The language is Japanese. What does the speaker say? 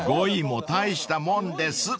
［５位も大したもんです］